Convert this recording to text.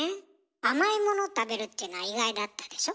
甘いもの食べるっていうのは意外だったでしょ。